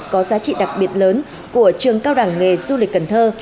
có giá trị đặc biệt lớn của trường cao đẳng nghề du lịch cần thơ